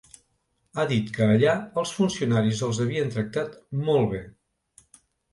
Ha dit que allà els funcionaris els havien tractar molt bé.